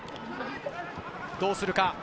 どうするか？